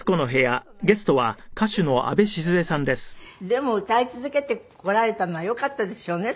でも歌い続けてこられたのはよかったですよね